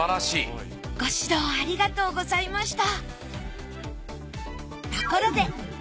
ご指導ありがとうございました。